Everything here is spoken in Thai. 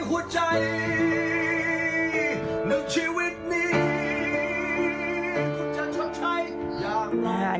ก็จะชอบใช้อย่างน้อย